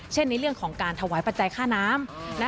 ในเรื่องของการถวายปัจจัยค่าน้ำ